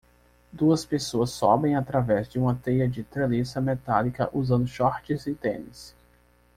Duas pessoas sobem através de uma teia de treliça metálica usando shorts e tênis.